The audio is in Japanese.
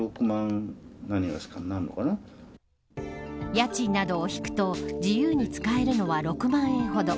家賃などを引くと自由に使えるのは６万円ほど。